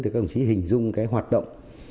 thì các ông chỉ hình dung cái hoạt động